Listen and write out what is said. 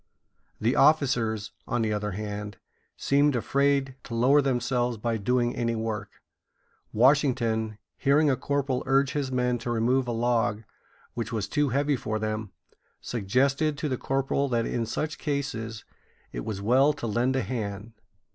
The officers, on the other hand, seemed afraid to lower themselves by doing any work. Washington, hearing a corporal urge his men to remove a log which was too heavy for them, suggested to the corporal that in such cases it was well to lend a hand.